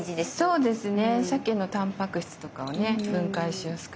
そうですね。